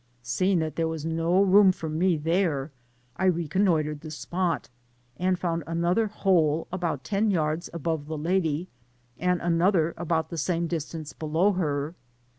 Seeing that there was no room for me Digitized byGoogk 136 PA88AOB ACROSS there, t reconnoitred the spot^ and found another hole about ten yards above the lady, and another about the same distance below her.